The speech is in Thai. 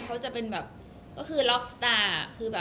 เขาจะเป็นแบบก็คือล็อคสตาร์